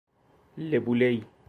Le Boulay